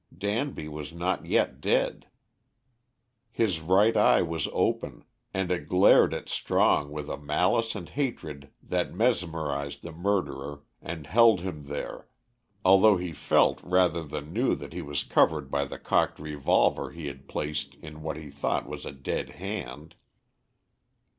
Danby was not yet dead. His right eye was open, and it glared at Strong with a malice and hatred that mesmerised the murderer and held him there, although he felt rather than knew he was covered by the cocked revolver he had placed in what he thought was a dead hand.